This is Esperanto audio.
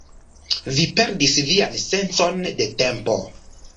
Vi perdis vian sencon de tempo